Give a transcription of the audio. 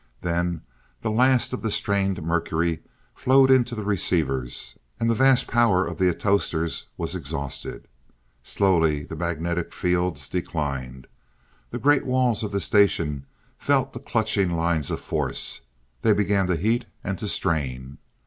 Then the last of the strained mercury flowed into the receivers, and the vast power of the atostors was exhausted. Slowly the magnetic fields declined. The great walls of the station felt the clutching lines of force they began to heat and to strain.